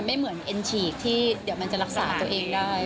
ไม่เหมือนเอ็นฉีกที่เดี๋ยวมันจะรักษาตัวเองได้